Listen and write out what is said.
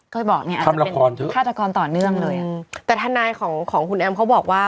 เคยบอกเนี่ยอาจจะเป็นฆาตกรต่อเนื่องเลยอ่ะแต่ทนายของของคุณแอมเขาบอกว่า